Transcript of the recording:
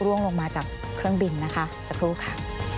ลงมาจากเครื่องบินนะคะสักครู่ค่ะ